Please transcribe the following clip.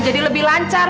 jadi lebih lancar